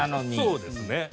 そうですねはい。